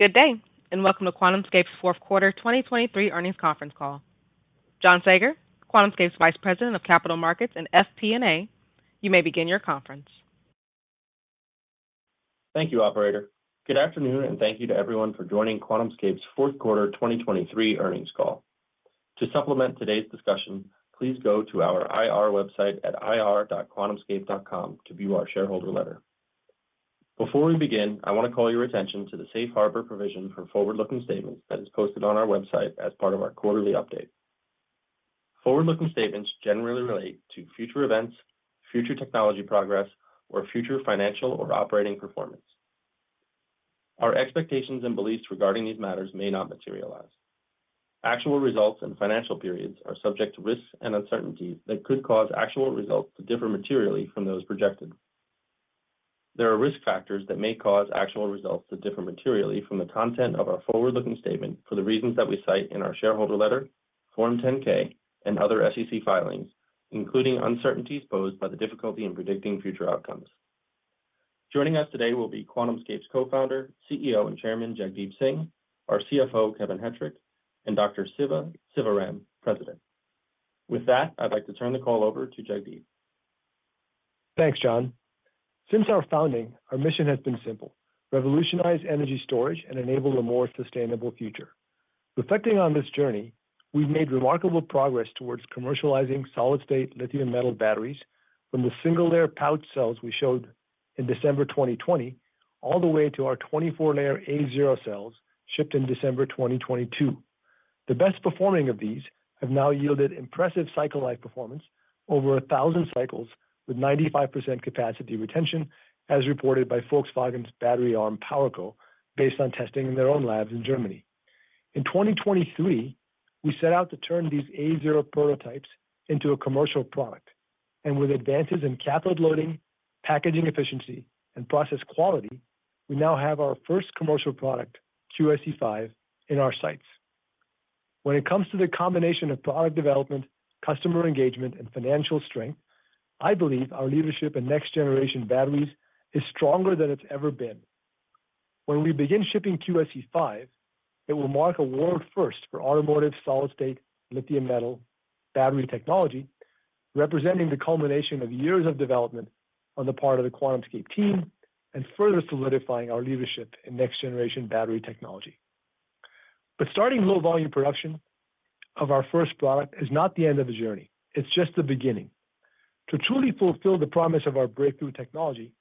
Good day and welcome to QuantumScape's fourth quarter 2023 earnings conference call. John Saager, QuantumScape's Vice President of Capital Markets and FP&A, you may begin your conference. Thank you, Operator. Good afternoon and thank you to everyone for joining QuantumScape's fourth quarter 2023 earnings call. To supplement today's discussion, please go to our IR website at ir.quantumscape.com to view our shareholder letter. Before we begin, I want to call your attention to the Safe Harbor provision for forward-looking statements that is posted on our website as part of our quarterly update. Forward-looking statements generally relate to future events, future technology progress, or future financial or operating performance. Our expectations and beliefs regarding these matters may not materialize. Actual results and financial periods are subject to risks and uncertainties that could cause actual results to differ materially from those projected. There are risk factors that may cause actual results to differ materially from the content of our forward-looking statement for the reasons that we cite in our shareholder letter, Form 10-K, and other SEC filings, including uncertainties posed by the difficulty in predicting future outcomes. Joining us today will be QuantumScape's Co-Founder, CEO and Chairman Jagdeep Singh, our CFO Kevin Hettrich, and Dr. Siva Sivaram, President. With that, I'd like to turn the call over to Jagdeep. Thanks, John. Since our founding, our mission has been simple: revolutionize energy storage and enable a more sustainable future. Reflecting on this journey, we've made remarkable progress towards commercializing solid-state lithium-metal batteries from the single-layer pouch cells we showed in December 2020 all the way to our 24-layer A0 cells shipped in December 2022. The best-performing of these have now yielded impressive cycle-life performance, over 1,000 cycles with 95% capacity retention, as reported by Volkswagen's battery arm PowerCo based on testing in their own labs in Germany. In 2023, we set out to turn these A0 prototypes into a commercial product, and with advances in catalytic loading, packaging efficiency, and process quality, we now have our first commercial product, QSE-5, in our sights. When it comes to the combination of product development, customer engagement, and financial strength, I believe our leadership in next-generation batteries is stronger than it's ever been. When we begin shipping QSE-5, it will mark a world first for automotive solid-state lithium-metal battery technology, representing the culmination of years of development on the part of the QuantumScape team and further solidifying our leadership in next-generation battery technology. But starting low-volume production of our first product is not the end of the journey. It's just the beginning. To truly fulfill the promise of our breakthrough technology,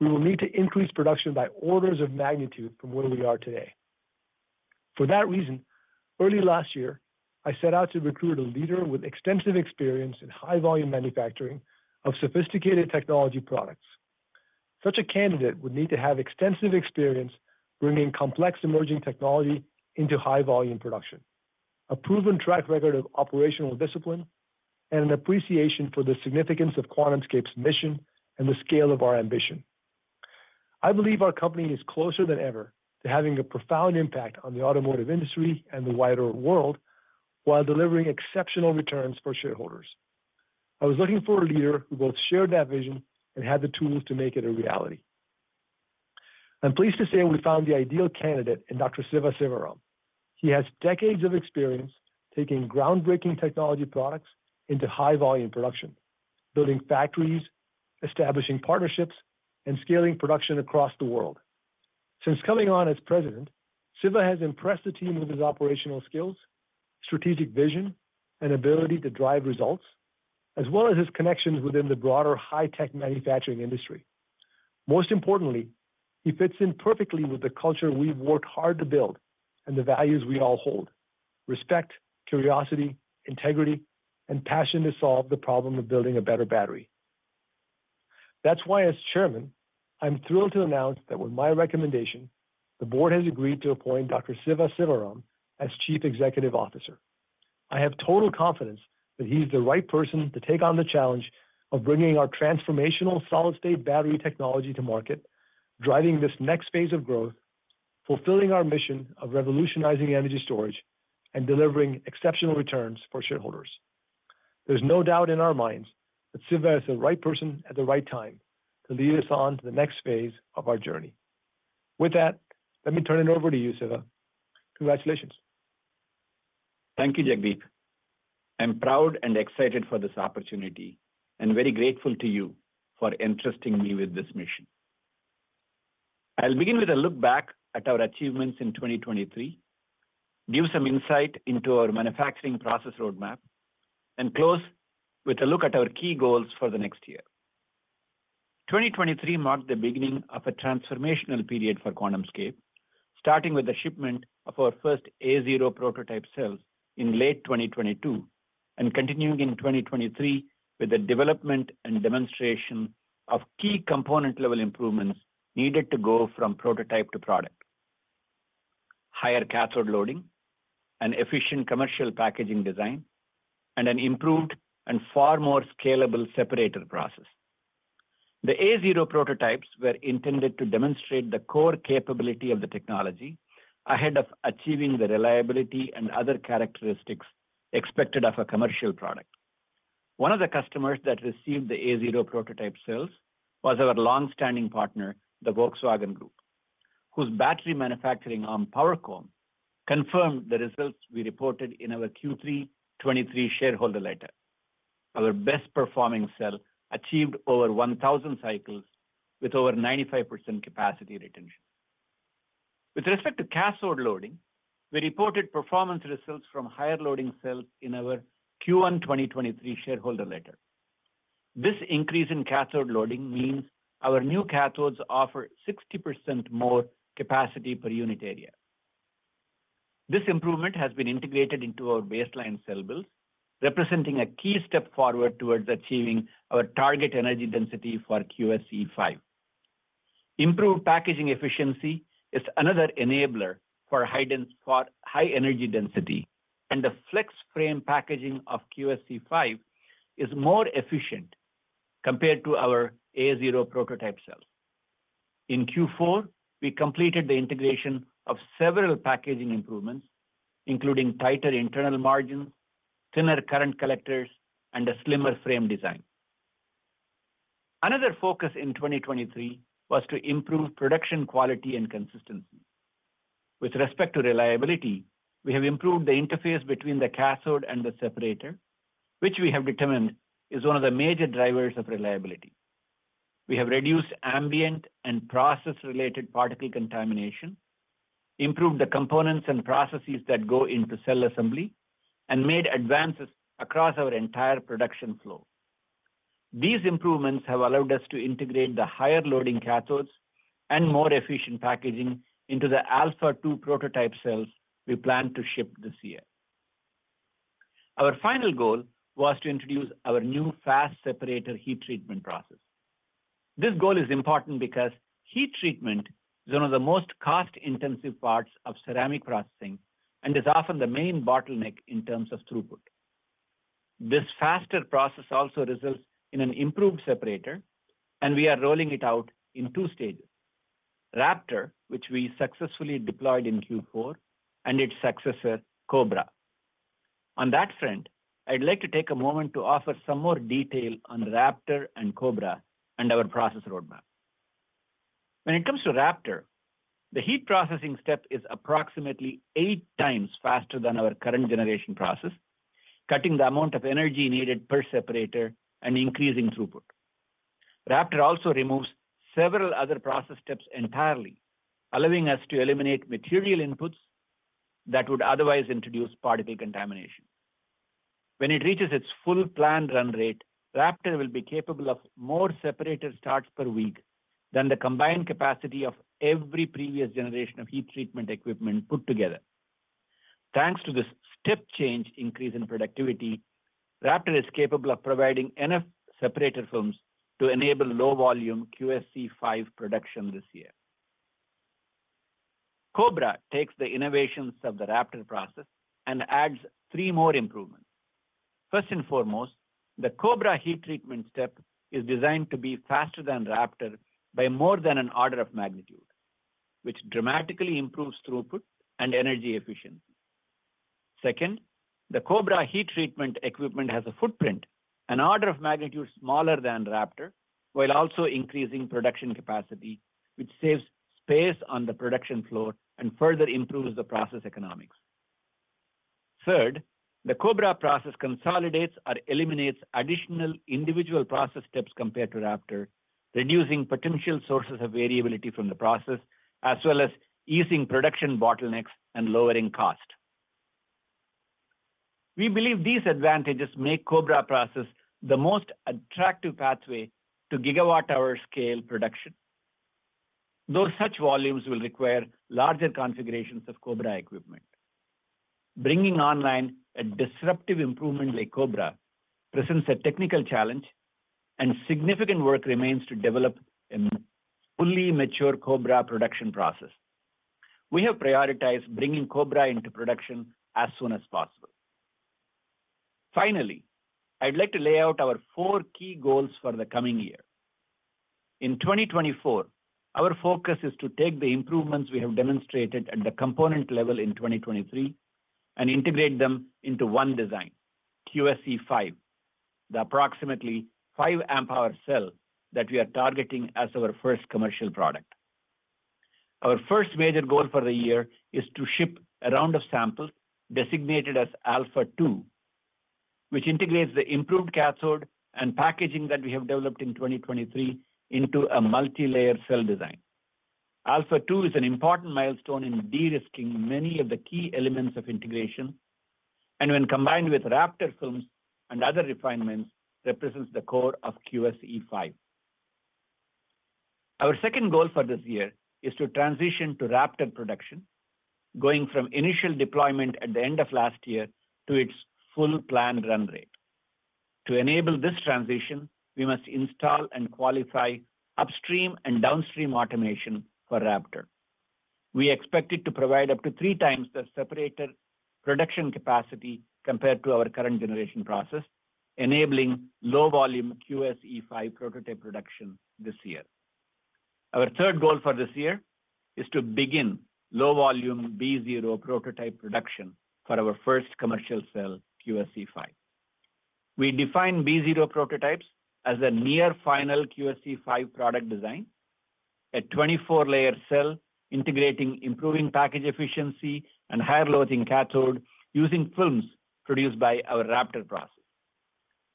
we will need to increase production by orders of magnitude from where we are today. For that reason, early last year, I set out to recruit a leader with extensive experience in high-volume manufacturing of sophisticated technology products. Such a candidate would need to have extensive experience bringing complex emerging technology into high-volume production, a proven track record of operational discipline, and an appreciation for the significance of QuantumScape's mission and the scale of our ambition. I believe our company is closer than ever to having a profound impact on the automotive industry and the wider world while delivering exceptional returns for shareholders. I was looking for a leader who both shared that vision and had the tools to make it a reality. I'm pleased to say we found the ideal candidate in Dr. Siva Sivaram. He has decades of experience taking groundbreaking technology products into high-volume production, building factories, establishing partnerships, and scaling production across the world. Since coming on as President, Siva has impressed the team with his operational skills, strategic vision, and ability to drive results, as well as his connections within the broader high-tech manufacturing industry. Most importantly, he fits in perfectly with the culture we've worked hard to build and the values we all hold: respect, curiosity, integrity, and passion to solve the problem of building a better battery. That's why, as Chairman, I'm thrilled to announce that, with my recommendation, the board has agreed to appoint Dr. Siva Sivaram as Chief Executive Officer. I have total confidence that he's the right person to take on the challenge of bringing our transformational solid-state battery technology to market, driving this next phase of growth, fulfilling our mission of revolutionizing energy storage, and delivering exceptional returns for shareholders. There's no doubt in our minds that Siva is the right person at the right time to lead us on to the next phase of our journey. With that, let me turn it over to you, Siva. Congratulations. Thank you, Jagdeep. I'm proud and excited for this opportunity and very grateful to you for entrusting me with this mission. I'll begin with a look back at our achievements in 2023, give some insight into our manufacturing process roadmap, and close with a look at our key goals for the next year. 2023 marked the beginning of a transformational period for QuantumScape, starting with the shipment of our first A0 prototype cells in late 2022 and continuing in 2023 with the development and demonstration of key component-level improvements needed to go from prototype to product: higher cathode loading, an efficient commercial packaging design, and an improved and far more scalable separator process. The A0 prototypes were intended to demonstrate the core capability of the technology ahead of achieving the reliability and other characteristics expected of a commercial product. One of the customers that received the A0 prototype cells was our longstanding partner, the Volkswagen Group, whose battery manufacturing arm, PowerCo, confirmed the results we reported in our Q3 2023 shareholder letter: our best-performing cell achieved over 1,000 cycles with over 95% capacity retention. With respect to cathode loading, we reported performance results from higher-loading cells in our Q1 2023 shareholder letter. This increase in cathode loading means our new cathodes offer 60% more capacity per unit area. This improvement has been integrated into our baseline cell builds, representing a key step forward towards achieving our target energy density for QSE-5. Improved packaging efficiency is another enabler for high energy density, and the FlexFrame packaging of QSE-5 is more efficient compared to our A0 prototype cells. In Q4, we completed the integration of several packaging improvements, including tighter internal margins, thinner current collectors, and a slimmer frame design. Another focus in 2023 was to improve production quality and consistency. With respect to reliability, we have improved the interface between the cathode and the separator, which we have determined is one of the major drivers of reliability. We have reduced ambient and process-related particle contamination, improved the components and processes that go into cell assembly, and made advances across our entire production flow. These improvements have allowed us to integrate the higher-loading cathodes and more efficient packaging into the Alpha-2 prototype cells we plan to ship this year. Our final goal was to introduce our new fast separator heat treatment process. This goal is important because heat treatment is one of the most cost-intensive parts of ceramic processing and is often the main bottleneck in terms of throughput. This faster process also results in an improved separator, and we are rolling it out in two stages: Raptor, which we successfully deployed in Q4, and its successor, Cobra. On that front, I'd like to take a moment to offer some more detail on Raptor and Cobra and our process roadmap. When it comes to Raptor, the heat processing step is approximately 8 times faster than our current generation process, cutting the amount of energy needed per separator and increasing throughput. Raptor also removes several other process steps entirely, allowing us to eliminate material inputs that would otherwise introduce particle contamination. When it reaches its full planned run rate, Raptor will be capable of more separator starts per week than the combined capacity of every previous generation of heat treatment equipment put together. Thanks to this step change increase in productivity, Raptor is capable of providing enough separator films to enable low-volume QSE-5 production this year. Cobra takes the innovations of the Raptor process and adds three more improvements. First and foremost, the Cobra heat treatment step is designed to be faster than Raptor by more than an order of magnitude, which dramatically improves throughput and energy efficiency. Second, the Cobra heat treatment equipment has a footprint an order of magnitude smaller than Raptor while also increasing production capacity, which saves space on the production floor and further improves the process economics. Third, the Cobra process consolidates or eliminates additional individual process steps compared to Raptor, reducing potential sources of variability from the process as well as easing production bottlenecks and lowering cost. We believe these advantages make Cobra process the most attractive pathway to gigawatt-hour-scale production, though such volumes will require larger configurations of Cobra equipment. Bringing online a disruptive improvement like Cobra presents a technical challenge, and significant work remains to develop a fully mature Cobra production process. We have prioritized bringing Cobra into production as soon as possible. Finally, I'd like to lay out our four key goals for the coming year. In 2024, our focus is to take the improvements we have demonstrated at the component level in 2023 and integrate them into one design: QSE-5, the approximately five amp-hour cell that we are targeting as our first commercial product. Our first major goal for the year is to ship a round of samples designated as Alpha 2, which integrates the improved cathode and packaging that we have developed in 2023 into a multi-layer cell design. Alpha 2 is an important milestone in de-risking many of the key elements of integration, and when combined with Raptor films and other refinements, represents the core of QSE-5. Our second goal for this year is to transition to Raptor production, going from initial deployment at the end of last year to its full planned run rate. To enable this transition, we must install and qualify upstream and downstream automation for Raptor. We expect it to provide up to three times the separator production capacity compared to our current generation process, enabling low-volume QSE-5 prototype production this year. Our third goal for this year is to begin low-volume B0 prototype production for our first commercial cell, QSE-5. We define B0 prototypes as a near-final QSE-5 product design: a 24-layer cell integrating improving package efficiency and higher-loading cathode using films produced by our Raptor process.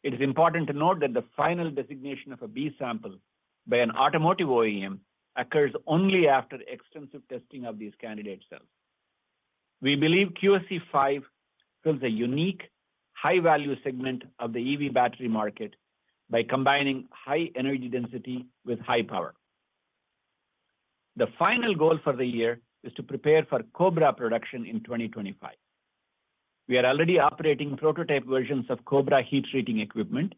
It is important to note that the final designation of a B sample by an automotive OEM occurs only after extensive testing of these candidate cells. We believe QSE-5 fills a unique, high-value segment of the EV battery market by combining high energy density with high power. The final goal for the year is to prepare for Cobra production in 2025. We are already operating prototype versions of Cobra heat treating equipment,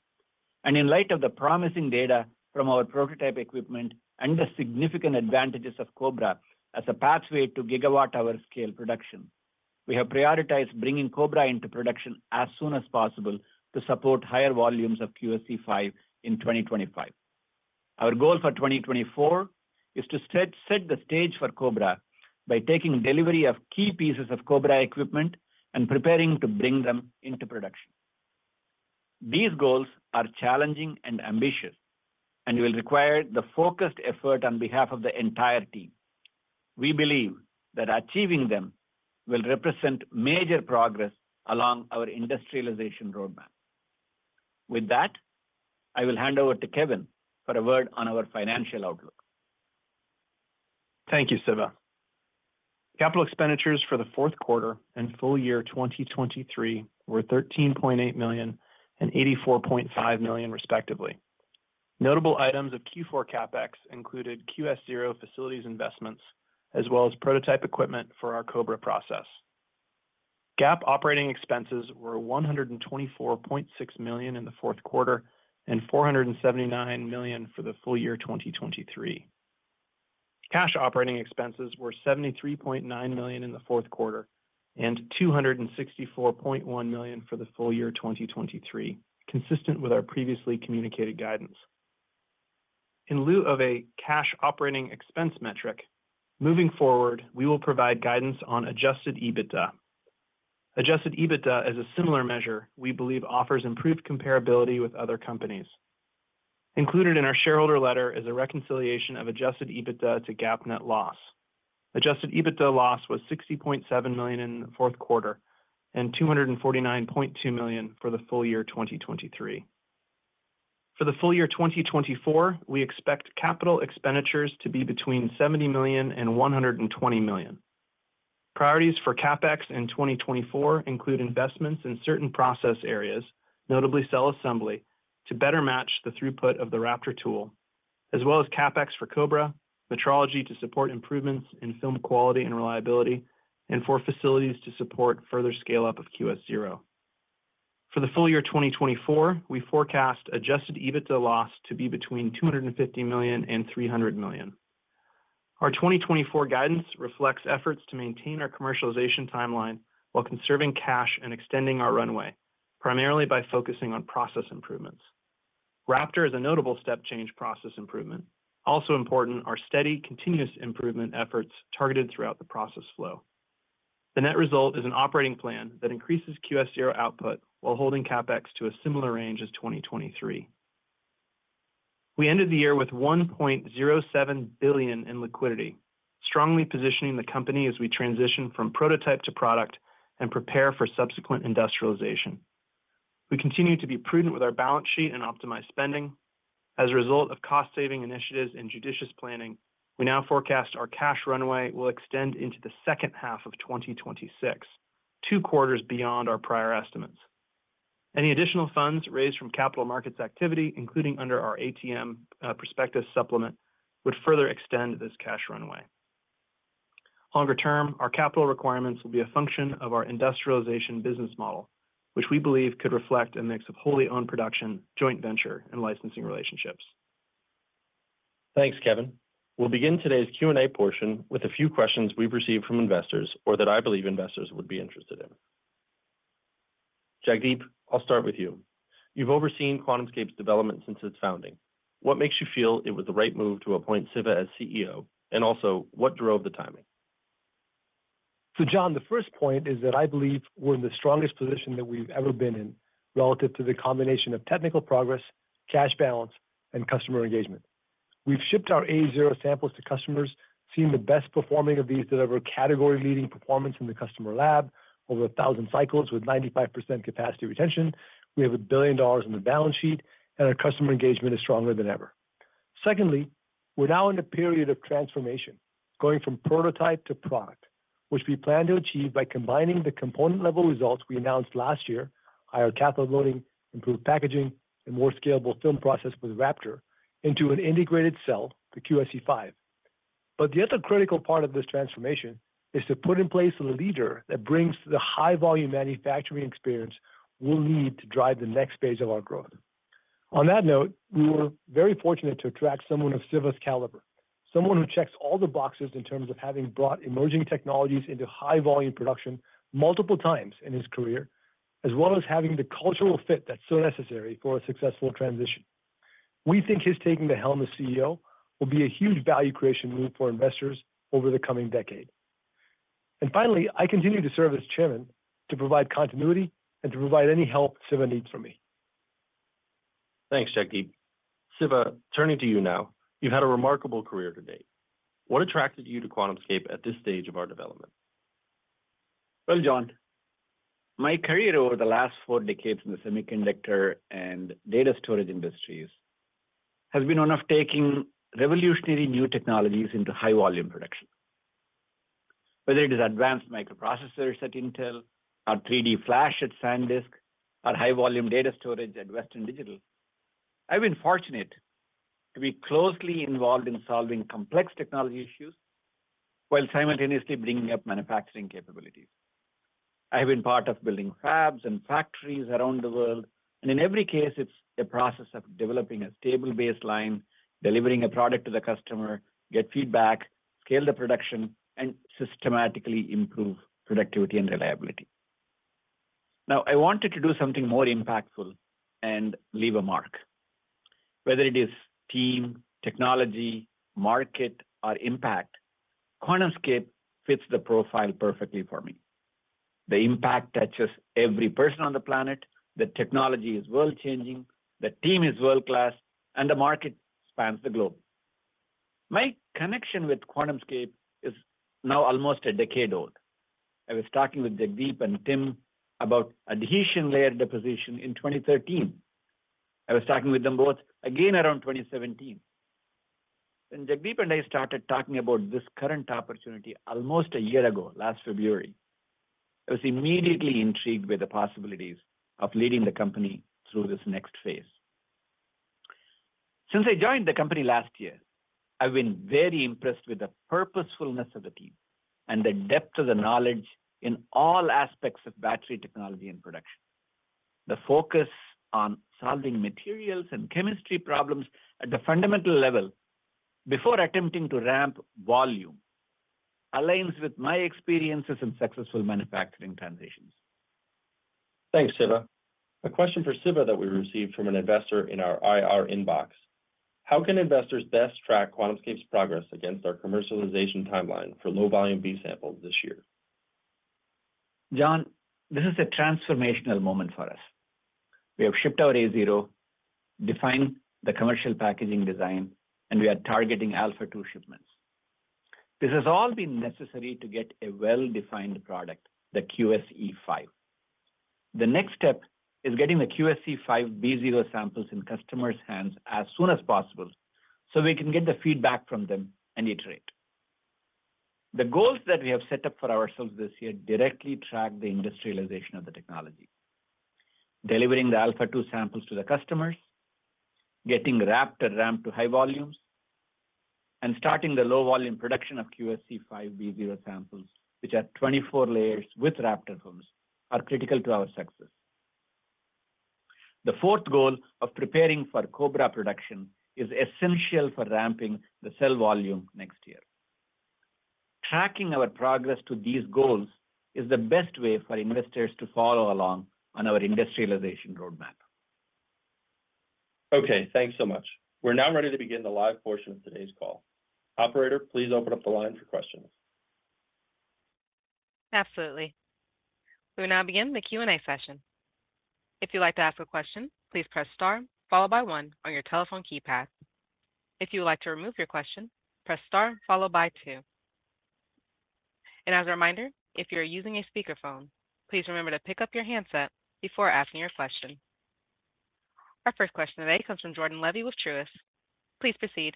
and in light of the promising data from our prototype equipment and the significant advantages of Cobra as a pathway to gigawatt-hour-scale production, we have prioritized bringing Cobra into production as soon as possible to support higher volumes of QSE-5 in 2025. Our goal for 2024 is to set the stage for Cobra by taking delivery of key pieces of Cobra equipment and preparing to bring them into production. These goals are challenging and ambitious, and will require the focused effort on behalf of the entire team. We believe that achieving them will represent major progress along our industrialization roadmap. With that, I will hand over to Kevin for a word on our financial outlook. Thank you, Siva. Capital expenditures for the fourth quarter and full year 2023 were $13.8 million and $84.5 million, respectively. Notable items of Q4 CapEx included QS-0 facilities investments as well as prototype equipment for our Cobra process. GAAP operating expenses were $124.6 million in the fourth quarter and $479 million for the full year 2023. Cash operating expenses were $73.9 million in the fourth quarter and $264.1 million for the full year 2023, consistent with our previously communicated guidance. In lieu of a cash operating expense metric, moving forward, we will provide guidance on adjusted EBITDA. Adjusted EBITDA, as a similar measure, we believe offers improved comparability with other companies. Included in our shareholder letter is a reconciliation of adjusted EBITDA to GAAP net loss. Adjusted EBITDA loss was $60.7 million in the fourth quarter and $249.2 million for the full year 2023. For the full year 2024, we expect capital expenditures to be between $70 million and $120 million. Priorities for CapEx in 2024 include investments in certain process areas, notably cell assembly, to better match the throughput of the Raptor tool, as well as CapEx for Cobra, metrology to support improvements in film quality and reliability, and for facilities to support further scale-up of QS-0. For the full year 2024, we forecast Adjusted EBITDA loss to be between $250 million and $300 million. Our 2024 guidance reflects efforts to maintain our commercialization timeline while conserving cash and extending our runway, primarily by focusing on process improvements. Raptor is a notable step change process improvement. Also important are steady, continuous improvement efforts targeted throughout the process flow. The net result is an operating plan that increases QS-0 output while holding CapEx to a similar range as 2023. We ended the year with $1.07 billion in liquidity, strongly positioning the company as we transition from prototype to product and prepare for subsequent industrialization. We continue to be prudent with our balance sheet and optimize spending. As a result of cost-saving initiatives and judicious planning, we now forecast our cash runway will extend into the second half of 2026, two quarters beyond our prior estimates. Any additional funds raised from capital markets activity, including under our ATM prospectus supplement, would further extend this cash runway. Longer term, our capital requirements will be a function of our industrialization business model, which we believe could reflect a mix of wholly owned production, joint venture, and licensing relationships. Thanks, Kevin. We'll begin today's Q&A portion with a few questions we've received from investors or that I believe investors would be interested in. Jagdeep, I'll start with you. You've overseen QuantumScape's development since its founding. What makes you feel it was the right move to appoint Siva as CEO, and also, what drove the timing? So, John, the first point is that I believe we're in the strongest position that we've ever been in relative to the combination of technical progress, cash balance, and customer engagement. We've shipped our A0 samples to customers, seen the best performing of these deliver category-leading performance in the customer lab over 1,000 cycles with 95% capacity retention. We have $1 billion in the balance sheet, and our customer engagement is stronger than ever. Secondly, we're now in a period of transformation, going from prototype to product, which we plan to achieve by combining the component-level results we announced last year (higher cathode loading, improved packaging, and more scalable film process with Raptor) into an integrated cell, the QSE-5. But the other critical part of this transformation is to put in place a leader that brings the high-volume manufacturing experience we'll need to drive the next stage of our growth. On that note, we were very fortunate to attract someone of Siva's caliber, someone who checks all the boxes in terms of having brought emerging technologies into high-volume production multiple times in his career, as well as having the cultural fit that's so necessary for a successful transition. We think his taking the helm as CEO will be a huge value creation move for investors over the coming decade. And finally, I continue to serve as chairman to provide continuity and to provide any help Siva needs from me. Thanks, Jagdeep. Siva, turning to you now. You've had a remarkable career to date. What attracted you to QuantumScape at this stage of our development? Well, John, my career over the last four decades in the semiconductor and data storage industries has been one of taking revolutionary new technologies into high-volume production. Whether it is advanced microprocessors at Intel or 3D flash at SanDisk or high-volume data storage at Western Digital, I've been fortunate to be closely involved in solving complex technology issues while simultaneously bringing up manufacturing capabilities. I have been part of building fabs and factories around the world. In every case, it's a process of developing a stable baseline, delivering a product to the customer, getting feedback, scaling the production, and systematically improving productivity and reliability. Now, I wanted to do something more impactful and leave a mark. Whether it is team, technology, market, or impact, QuantumScape fits the profile perfectly for me. The impact touches every person on the planet. The technology is world-changing. The team is world-class. The market spans the globe. My connection with QuantumScape is now almost a decade old. I was talking with Jagdeep and Tim about adhesion layer deposition in 2013. I was talking with them both again around 2017. When Jagdeep and I started talking about this current opportunity almost a year ago, last February, I was immediately intrigued by the possibilities of leading the company through this next phase. Since I joined the company last year, I've been very impressed with the purposefulness of the team and the depth of the knowledge in all aspects of battery technology and production. The focus on solving materials and chemistry problems at the fundamental level before attempting to ramp volume aligns with my experiences in successful manufacturing transitions. Thanks, Siva. A question for Siva that we received from an investor in our IR inbox: How can investors best track QuantumScape's progress against our commercialization timeline for low-volume B samples this year? John, this is a transformational moment for us. We have shipped our A0, defined the commercial packaging design, and we are targeting Alpha 2 shipments. This has all been necessary to get a well-defined product, the QSE-5. The next step is getting the QSE-5 B0 samples in customers' hands as soon as possible so we can get the feedback from them and iterate. The goals that we have set up for ourselves this year directly track the industrialization of the technology: delivering the Alpha 2 samples to the customers, getting Raptor ramped to high volumes, and starting the low-volume production of QSE-5 B0 samples, which are 24 layers with Raptor films, are critical to our success. The fourth goal of preparing for Cobra production is essential for ramping the cell volume next year. Tracking our progress to these goals is the best way for investors to follow along on our industrialization roadmap. Okay. Thanks so much. We're now ready to begin the live portion of today's call. Operator, please open up the line for questions. Absolutely. We will now begin the Q&A session. If you'd like to ask a question, please press star, followed by one on your telephone keypad. If you would like to remove your question, press star, followed by two. And as a reminder, if you're using a speakerphone, please remember to pick up your handset before asking your question. Our first question today comes from Jordan Levy with Truist. Please proceed.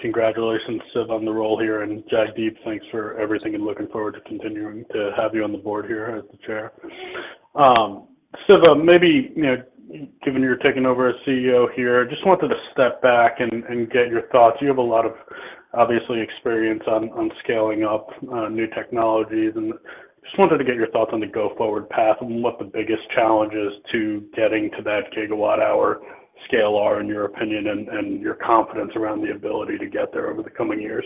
Congratulations, Siva, on the role here. And Jagdeep, thanks for everything, and looking forward to continuing to have you on the board here as the chair. Siva, maybe given you're taking over as CEO here, I just wanted to step back and get your thoughts. You have a lot of, obviously, experience on scaling up new technologies. And I just wanted to get your thoughts on the go-forward path and what the biggest challenges to getting to that gigawatt-hour scale are, in your opinion, and your confidence around the ability to get there over the coming years.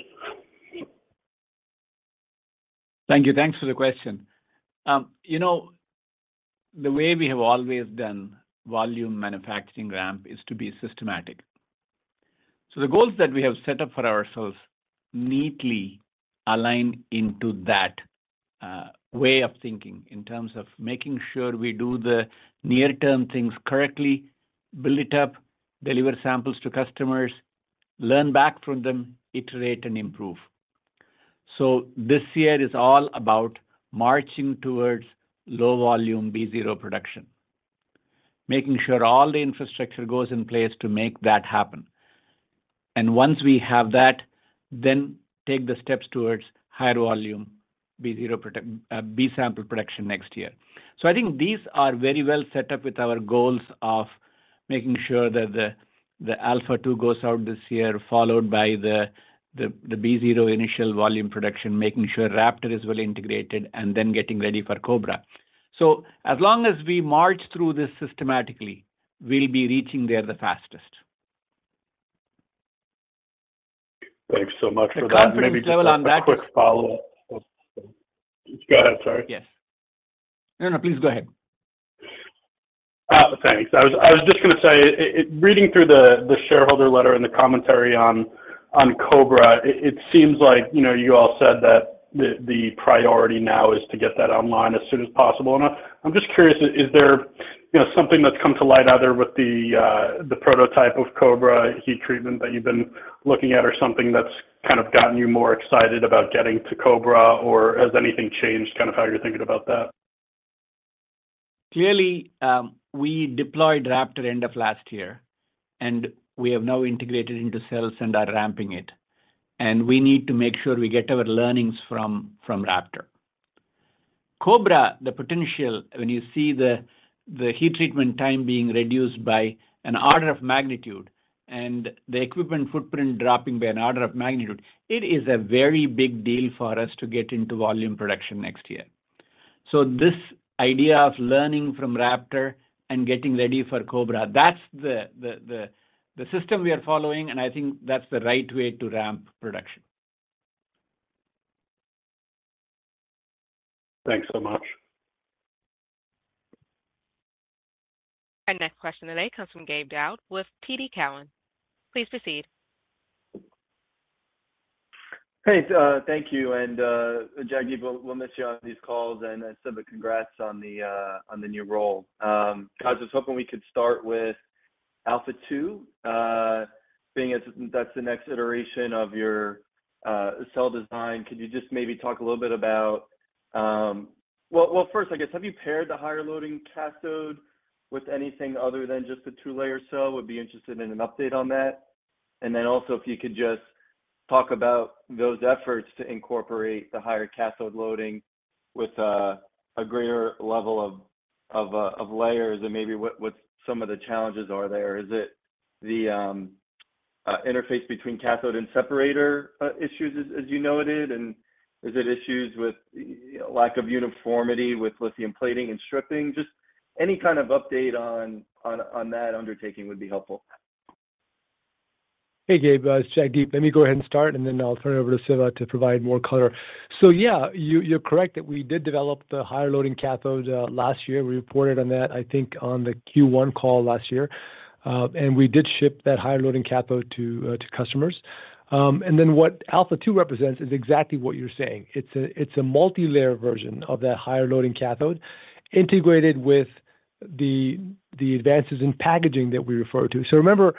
Thank you. Thanks for the question. The way we have always done volume manufacturing ramp is to be systematic. So the goals that we have set up for ourselves neatly align into that way of thinking in terms of making sure we do the near-term things correctly, build it up, deliver samples to customers, learn back from them, iterate, and improve. So this year is all about marching towards low-volume B0 production, making sure all the infrastructure goes in place to make that happen. And once we have that, then take the steps towards higher volume B-sample production next year. So I think these are very well set up with our goals of making sure that the Alpha 2 goes out this year, followed by the B0 initial volume production, making sure Raptor is well integrated, and then getting ready for Cobra. As long as we march through this systematically, we'll be reaching there the fastest. Thanks so much for that. Maybe just a quick follow-up. Go ahead, sorry. Yes. No, no. Please go ahead. Thanks. I was just going to say, reading through the shareholder letter and the commentary on Cobra, it seems like you all said that the priority now is to get that online as soon as possible. I'm just curious, is there something that's come to light either with the prototype of Cobra heat treatment that you've been looking at or something that's kind of gotten you more excited about getting to Cobra, or has anything changed kind of how you're thinking about that? Clearly, we deployed Raptor end of last year, and we have now integrated into cells and are ramping it. We need to make sure we get our learnings from Raptor. Cobra, the potential, when you see the heat treatment time being reduced by an order of magnitude and the equipment footprint dropping by an order of magnitude, it is a very big deal for us to get into volume production next year. This idea of learning from Raptor and getting ready for Cobra, that's the system we are following, and I think that's the right way to ramp production. Thanks so much. Our next question today comes from Gabe Daoud with TD Cowen. Please proceed. Hey. Thank you. And Jagdeep, we'll miss you on these calls. And as Siva, congrats on the new role. Guys, I was hoping we could start with Alpha 2, being that's the next iteration of your cell design. Could you just maybe talk a little bit about well, first, I guess, have you paired the higher loading cathode with anything other than just the two-layer cell? We'd be interested in an update on that. And then also, if you could just talk about those efforts to incorporate the higher cathode loading with a greater level of layers and maybe what some of the challenges are there. Is it the interface between cathode and separator issues, as you noted? And is it issues with lack of uniformity with lithium plating and stripping? Just any kind of update on that undertaking would be helpful. Hey, Gabe. It's Jagdeep. Let me go ahead and start, and then I'll turn it over to Siva to provide more color. So yeah, you're correct that we did develop the higher loading cathode last year. We reported on that, I think, on the Q1 call last year. And we did ship that higher loading cathode to customers. And then what Alpha 2 represents is exactly what you're saying. It's a multi-layer version of that higher loading cathode integrated with the advances in packaging that we refer to. So remember,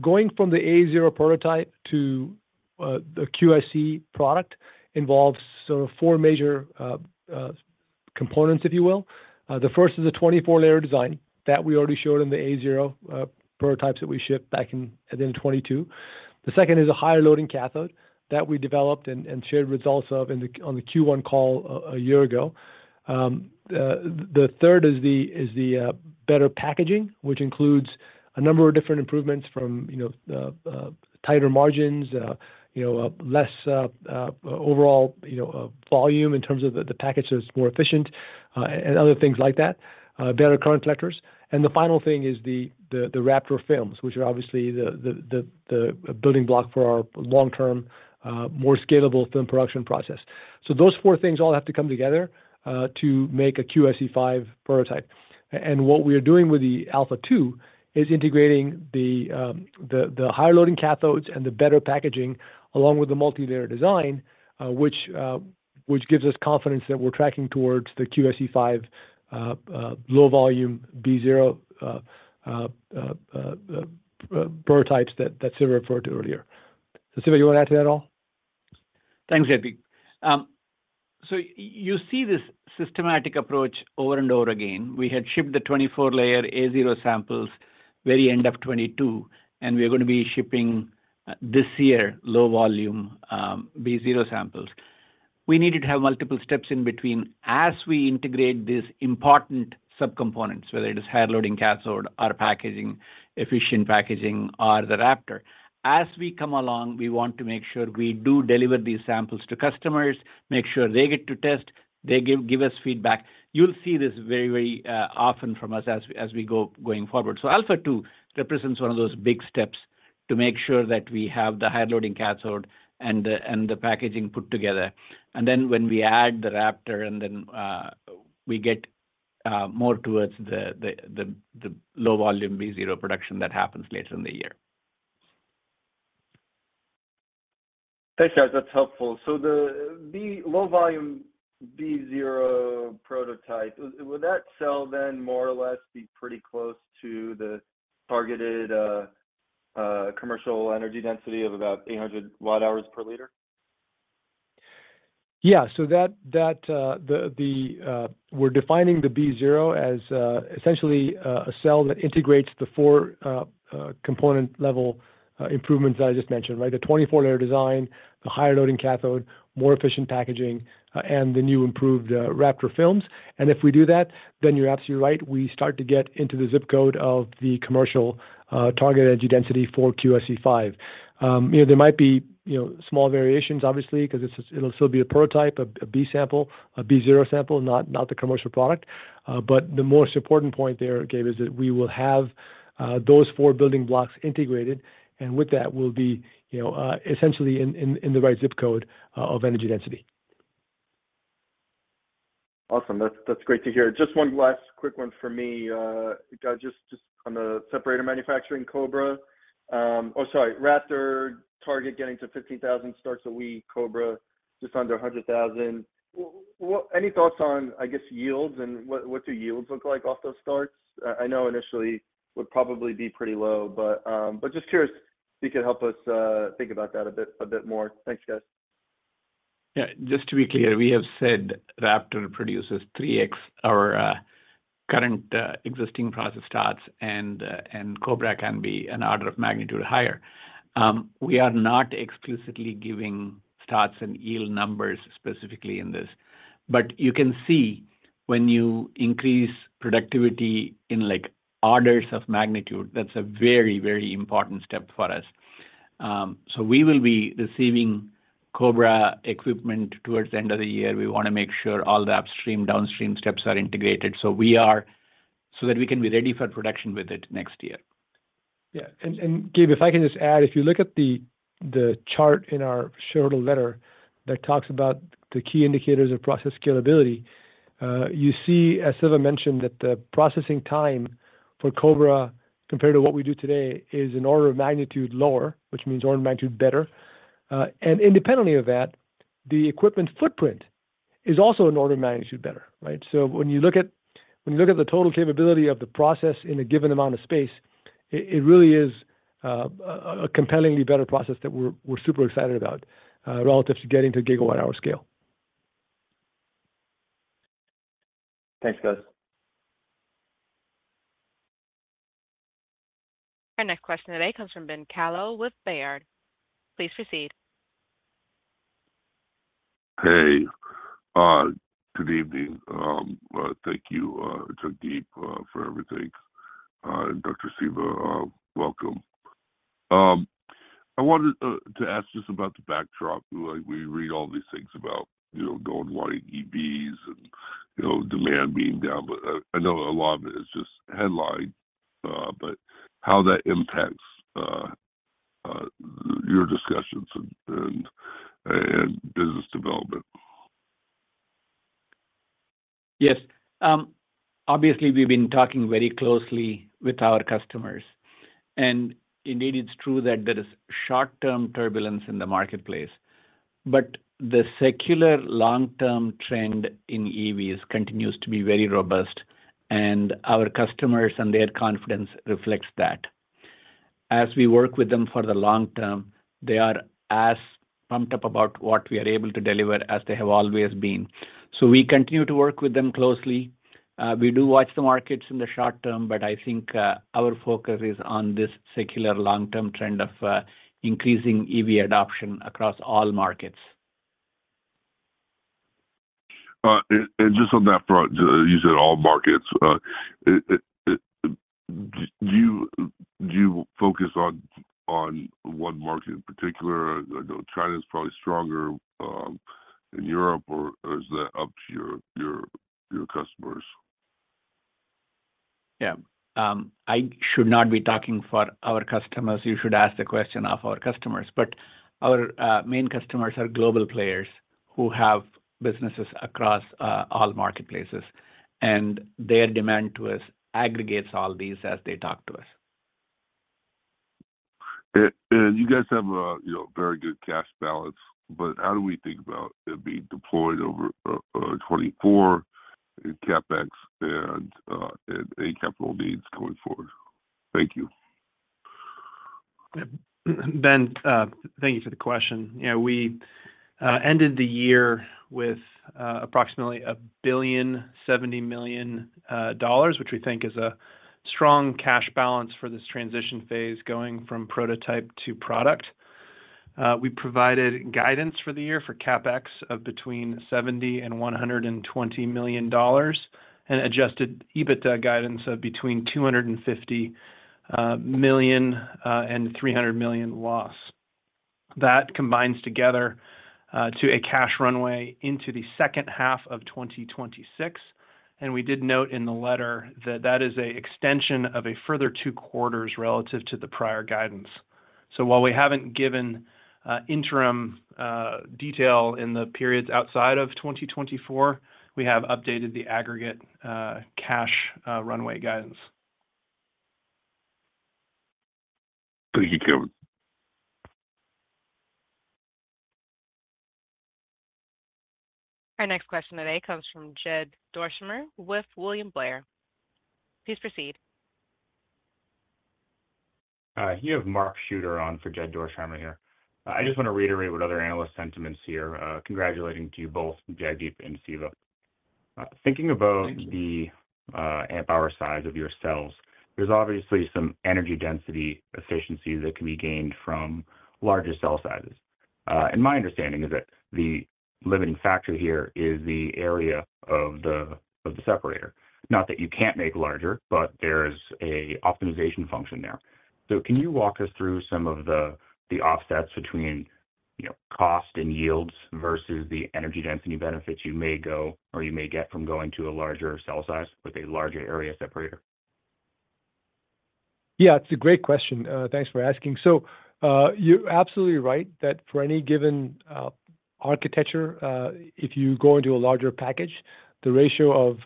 going from the A0 prototype to the QSE product involves sort of four major components, if you will. The first is a 24-layer design that we already showed in the A0 prototypes that we shipped back in the end of 2022. The second is a higher loading cathode that we developed and shared results of on the Q1 call a year ago. The third is the better packaging, which includes a number of different improvements from tighter margins, less overall volume in terms of the package that's more efficient, and other things like that, better current collectors. And the final thing is the Raptor films, which are obviously the building block for our long-term, more scalable film production process. So those four things all have to come together to make a QSE-5 prototype. And what we are doing with the Alpha 2 is integrating the higher loading cathodes and the better packaging along with the multi-layer design, which gives us confidence that we're tracking towards the QSE-5 low-volume B0 prototypes that Siva referred to earlier. So Siva, you want to add to that at all? Thanks, Jagdeep. So you see this systematic approach over and over again. We had shipped the 24-layer A0 samples very end of 2022, and we are going to be shipping this year low-volume B0 samples. We needed to have multiple steps in between as we integrate these important subcomponents, whether it is higher loading cathode, our packaging, efficient packaging, or the Raptor. As we come along, we want to make sure we do deliver these samples to customers, make sure they get to test, they give us feedback. You'll see this very, very often from us as we go forward. So Alpha 2 represents one of those big steps to make sure that we have the higher loading cathode and the packaging put together. And then when we add the Raptor, and then we get more towards the low-volume B0 production that happens later in the year. Thanks, guys. That's helpful. So the low-volume B0 prototype, would that cell then more or less be pretty close to the targeted commercial energy density of about 800 Wh/L? Yeah. So we're defining the B0 as essentially a cell that integrates the four component-level improvements that I just mentioned, right? The 24-layer design, the higher loading cathode, more efficient packaging, and the new improved Raptor films. And if we do that, then you're absolutely right. We start to get into the zip code of the commercial target energy density for QSE-5. There might be small variations, obviously, because it'll still be a prototype, a B sample, a B0 sample, not the commercial product. But the most important point there, Gabe, is that we will have those four building blocks integrated, and with that, we'll be essentially in the right zip code of energy density. Awesome. That's great to hear. Just one last quick one for me, guys, just on the separator manufacturing Cobra. Oh, sorry. Raptor target getting to 15,000 starts a week, Cobra just under 100,000. Any thoughts on, I guess, yields? And what do yields look like off those starts? I know initially would probably be pretty low, but just curious if you could help us think about that a bit more. Thanks, guys. Yeah. Just to be clear, we have said Raptor produces 3X our current existing process starts, and Cobra can be an order of magnitude higher. We are not exclusively giving starts and yield numbers specifically in this. But you can see when you increase productivity in orders of magnitude, that's a very, very important step for us. So we will be receiving Cobra equipment towards the end of the year. We want to make sure all the upstream, downstream steps are integrated so that we can be ready for production with it next year. Yeah. And Gabe, if I can just add, if you look at the chart in our shareholder letter that talks about the key indicators of process scalability, you see, as Siva mentioned, that the processing time for Cobra compared to what we do today is an order of magnitude lower, which means order of magnitude better. And independently of that, the equipment footprint is also an order of magnitude better, right? So when you look at the total capability of the process in a given amount of space, it really is a compellingly better process that we're super excited about relative to getting to a gigawatt-hour scale. Thanks, guys. Our next question today comes from Ben Kallo with Baird. Please proceed. Hey. Good evening. Thank you, Jagdeep, for everything. And Dr. Siva, welcome. I wanted to ask just about the backdrop. We read all these things about going wide EVs and demand being down. But I know a lot of it is just headlines, but how that impacts your discussions and business development. Yes. Obviously, we've been talking very closely with our customers. Indeed, it's true that there is short-term turbulence in the marketplace. The secular long-term trend in EVs continues to be very robust, and our customers and their confidence reflects that. As we work with them for the long term, they are as pumped up about what we are able to deliver as they have always been. We continue to work with them closely. We do watch the markets in the short term, but I think our focus is on this secular long-term trend of increasing EV adoption across all markets. Just on that front, you said all markets. Do you focus on one market in particular? I know China is probably stronger in Europe, or is that up to your customers? Yeah. I should not be talking for our customers. You should ask the question of our customers. But our main customers are global players who have businesses across all marketplaces. Their demand to us aggregates all these as they talk to us. You guys have a very good cash balance. How do we think about it being deployed over 2024 in CapEx and any capital needs going forward? Thank you. Ben, thank you for the question. We ended the year with approximately $1.07 billion, which we think is a strong cash balance for this transition phase going from prototype to product. We provided guidance for the year for CapEx of between $70-$120 million and Adjusted EBITDA guidance of between $250 million-$300 million loss. That combines together to a cash runway into the second half of 2026. We did note in the letter that that is an extension of a further two quarters relative to the prior guidance. While we haven't given interim detail in the periods outside of 2024, we have updated the aggregate cash runway guidance. Thank you, Kevin. Our next question today comes from Jed Dorsheimer with William Blair. Please proceed. Hi. You have Mark Schooter on for Jed Dorsheimer here. I just want to reiterate what other analysts' sentiments here. Congratulating to you both, Jagdeep and Siva. Thinking about the amp-hour size of your cells, there's obviously some energy density efficiency that can be gained from larger cell sizes. And my understanding is that the limiting factor here is the area of the separator. Not that you can't make larger, but there is an optimization function there. So can you walk us through some of the offsets between cost and yields versus the energy density benefits you may go or you may get from going to a larger cell size with a larger area separator? Yeah. It's a great question. Thanks for asking. So you're absolutely right that for any given architecture, if you go into a larger package, the ratio of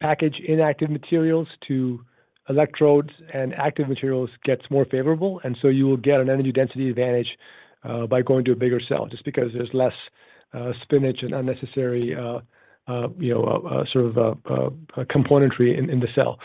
package inactive materials to electrodes and active materials gets more favorable. And so you will get an energy density advantage by going to a bigger cell just because there's less packaging and unnecessary sort of componentry in the cell.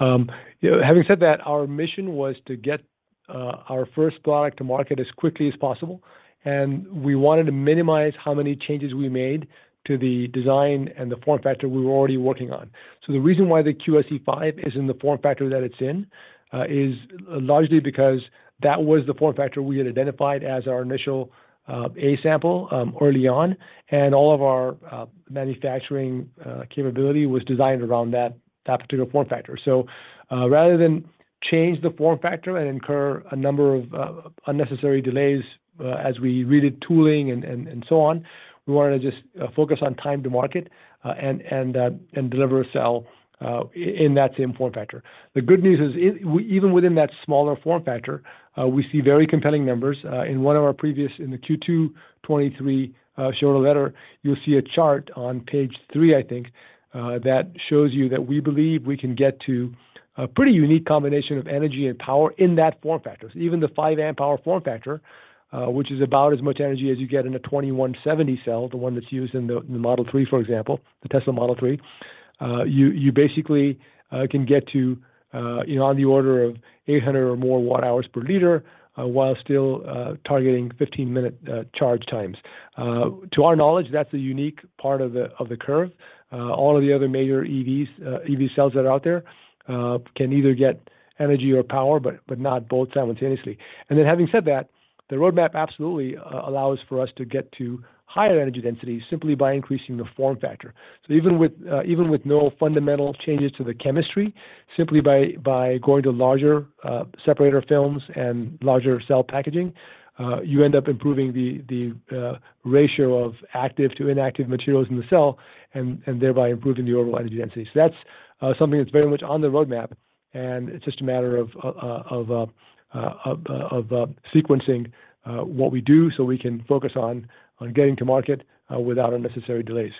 Having said that, our mission was to get our first product to market as quickly as possible. And we wanted to minimize how many changes we made to the design and the form factor we were already working on. So the reason why the QSE-5 is in the form factor that it's in is largely because that was the form factor we had identified as our initial A-sample early on. And all of our manufacturing capability was designed around that particular form factor. So rather than change the form factor and incur a number of unnecessary delays as we redid tooling and so on, we wanted to just focus on time to market and deliver a cell in that same form factor. The good news is even within that smaller form factor, we see very compelling numbers. In one of our previous in the Q2 2023 shareholder letter, you'll see a chart on page 3, I think, that shows you that we believe we can get to a pretty unique combination of energy and power in that form factor. So even the 5 amp-hour form factor, which is about as much energy as you get in a 2170 cell, the one that's used in the Model 3, for example, the Tesla Model 3, you basically can get to on the order of 800 or more Wh/L while still targeting 15-minute charge times. To our knowledge, that's a unique part of the curve. All of the other major EV cells that are out there can either get energy or power, but not both simultaneously. And then having said that, the roadmap absolutely allows for us to get to higher energy density simply by increasing the form factor. So even with no fundamental changes to the chemistry, simply by going to larger separator films and larger cell packaging, you end up improving the ratio of active to inactive materials in the cell and thereby improving the overall energy density. That's something that's very much on the roadmap. It's just a matter of sequencing what we do so we can focus on getting to market without unnecessary delays.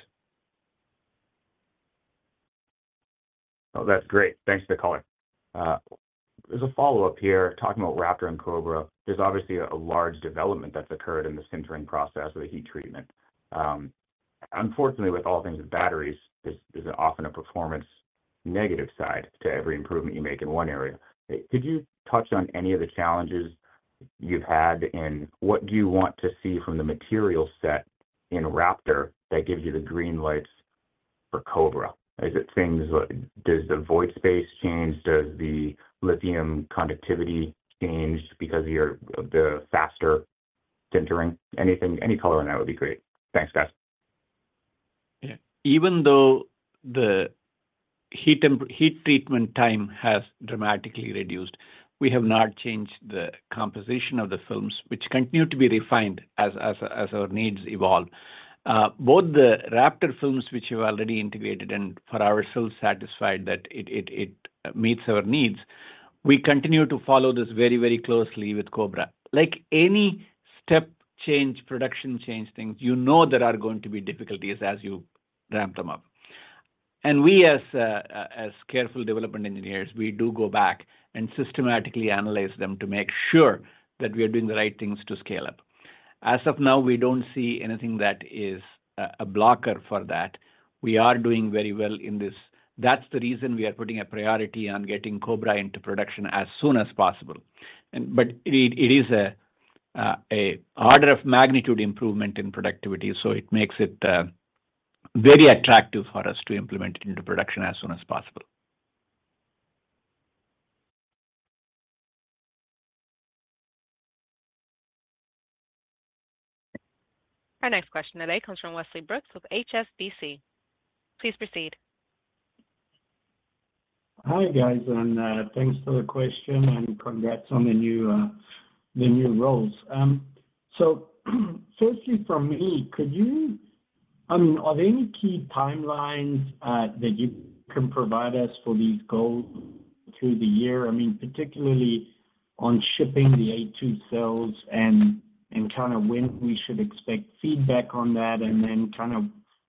Oh, that's great. Thanks for the calling. There's a follow-up here talking about Raptor and Cobra. There's obviously a large development that's occurred in the sintering process with the heat treatment. Unfortunately, with all things with batteries, there's often a performance negative side to every improvement you make in one area. Could you touch on any of the challenges you've had in what do you want to see from the material set in Raptor that gives you the green lights for Cobra? Is it things like does the void space change? Does the lithium conductivity change because of the faster sintering? Any color on that would be great. Thanks, guys. Yeah. Even though the heat treatment time has dramatically reduced, we have not changed the composition of the films, which continue to be refined as our needs evolve. Both the Raptor films, which we've already integrated and for ourselves satisfied that it meets our needs, we continue to follow this very, very closely with Cobra. Any step change, production change things, you know there are going to be difficulties as you ramp them up. And we, as careful development engineers, we do go back and systematically analyze them to make sure that we are doing the right things to scale up. As of now, we don't see anything that is a blocker for that. We are doing very well in this. That's the reason we are putting a priority on getting Cobra into production as soon as possible. It is an order of magnitude improvement in productivity, so it makes it very attractive for us to implement it into production as soon as possible. Our next question today comes from Wesley Brooks with HSBC. Please proceed. Hi, guys. Thanks for the question and congrats on the new roles. So firstly, for me, I mean, are there any key timelines that you can provide us for these goals through the year? I mean, particularly on shipping the A2 cells and kind of when we should expect feedback on that and then kind of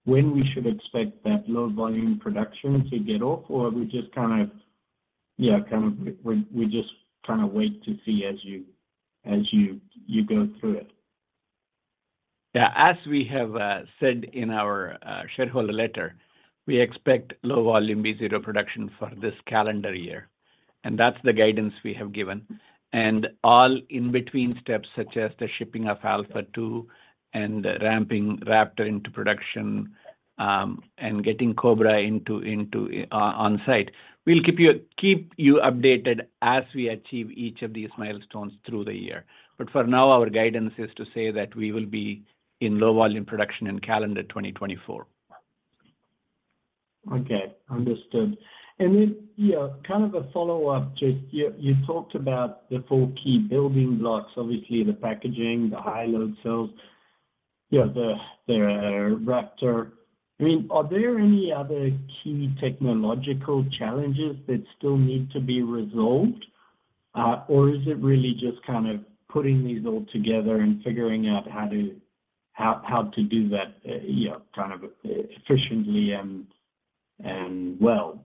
when we should expect that low-volume production to get off, or are we just kind of yeah, kind of we just kind of wait to see as you go through it? Yeah. As we have said in our shareholder letter, we expect low-volume B0 production for this calendar year. That's the guidance we have given. All in-between steps such as the shipping of Alpha 2 and ramping Raptor into production and getting Cobra on-site, we'll keep you updated as we achieve each of these milestones through the year. But for now, our guidance is to say that we will be in low-volume production in calendar 2024. Okay. Understood. And then kind of a follow-up, Jade, you talked about the four key building blocks, obviously, the packaging, the high-load cells, the Raptor. I mean, are there any other key technological challenges that still need to be resolved, or is it really just kind of putting these all together and figuring out how to do that kind of efficiently and well?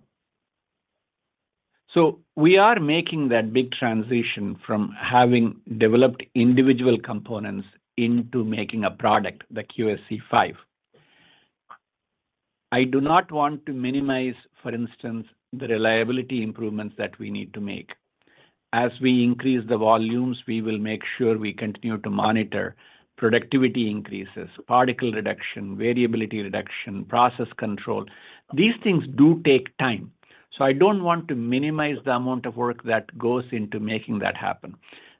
So we are making that big transition from having developed individual components into making a product, the QSE-5. I do not want to minimize, for instance, the reliability improvements that we need to make. As we increase the volumes, we will make sure we continue to monitor productivity increases, particle reduction, variability reduction, process control. These things do take time. So I don't want to minimize the amount of work that goes into making that happen.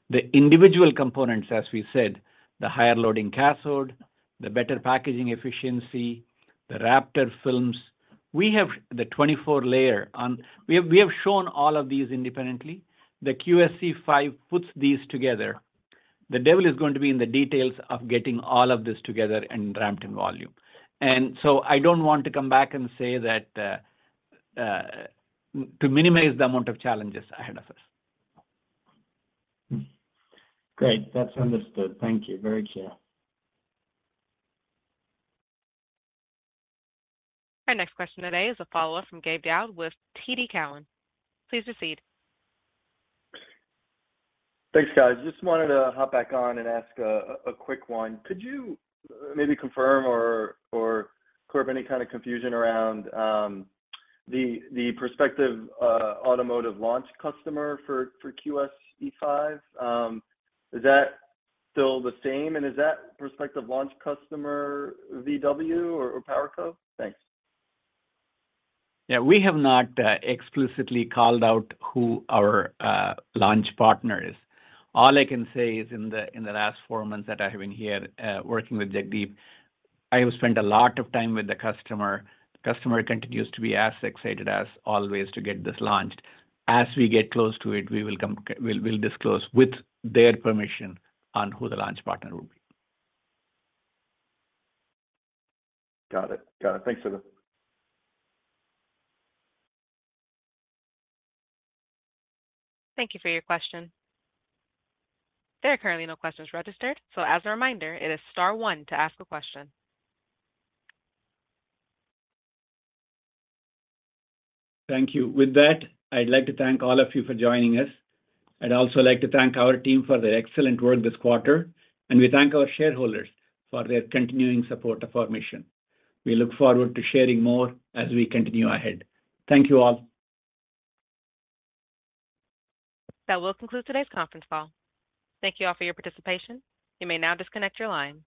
The individual components, as we said, the higher loading cathode, the better packaging efficiency, the Raptor films, we have the 24-layer one we have shown all of these independently. The QSE-5 puts these together. The devil is going to be in the details of getting all of this together and ramped in volume. And so I don't want to come back and say that to minimize the amount of challenges ahead of us. Great. That's understood. Thank you. Very clear. Our next question today is a follow-up from Gabe Daoud with TD Cowen. Please proceed. Thanks, guys. Just wanted to hop back on and ask a quick one. Could you maybe confirm or clear up any kind of confusion around the prospective automotive launch customer for QSE-5? Is that still the same? And is that prospective launch customer VW or PowerCo? Thanks. Yeah. We have not explicitly called out who our launch partner is. All I can say is in the last four months that I have been here working with Jagdeep, I have spent a lot of time with the customer. The customer continues to be as excited as always to get this launched. As we get close to it, we will disclose with their permission on who the launch partner would be. Got it. Got it. Thanks, Siva. Thank you for your question. There are currently no questions registered. As a reminder, it is star one to ask a question. Thank you. With that, I'd like to thank all of you for joining us. I'd also like to thank our team for their excellent work this quarter. We thank our shareholders for their continuing support of our mission. We look forward to sharing more as we continue ahead. Thank you all. That will conclude today's conference call. Thank you all for your participation. You may now disconnect your line.